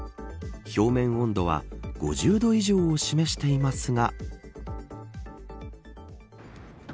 表面温度は５０度以上を示していますが。